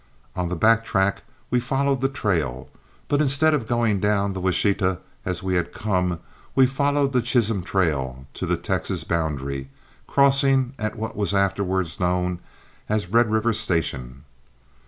On the back track we followed the trail, but instead of going down the Washita as we had come, we followed the Chisholm trail to the Texas boundary, crossing at what was afterward known as Red River Station.